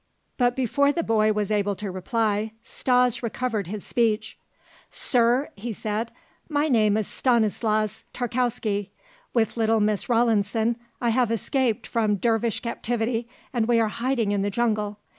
But before the boy was able to reply Stas recovered his speech. "Sir," he said, "my name is Stanislas Tarkowski. With little Miss Rawlinson I have escaped from dervish captivity and we are hiding in the jungle.